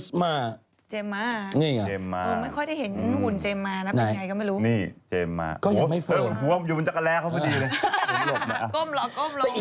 ดื้อเฉพาะกับพี่รึเปล่า